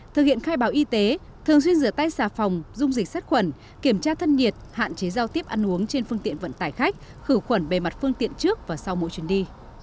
thực hiện khai báo y tế thường xuyên rửa tay xà phòng dung dịch sát khuẩn kiểm tra thân nhiệt hạn chế giao tiếp ăn uống trên phương tiện vận tải khách khử khuẩn bề mặt phương tiện trước và sau mỗi chuyến đi